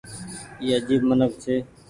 اي آجيب منک ڇي ۔